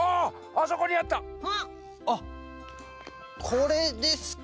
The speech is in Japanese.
あっこれですか？